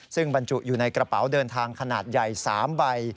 ซึ่งบรรจุอยู่ในกระเป๋าเดินทางขนาดใหญ่๓ใบ